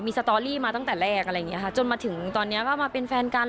สตอรี่มาตั้งแต่แรกอะไรอย่างเงี้ค่ะจนมาถึงตอนเนี้ยว่ามาเป็นแฟนกัน